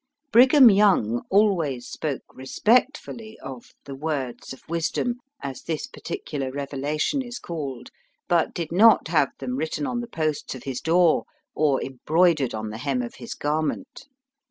Brig ham Young always spoke respectfully of " The Words of Wisdom," as this particular revela tion is called, but did not have them written on the posts of his door or embroidered on the hem of his garment.